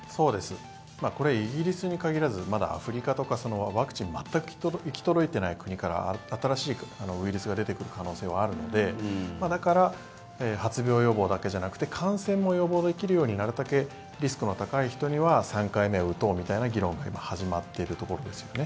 これはイギリスに限らずデルタ株とかワクチンが全く行き届いていない国から新しいウイルスが出てくる可能性はあるのでだから発病予防だけではなくて感染も予防できるようになるたけリスクが高い人には３回目を打とうみたいな議論が今始まっているところですよね。